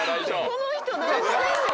この人何してんねん！